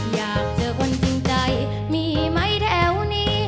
อยากเจอคนจริงใจมีไหมแถวนี้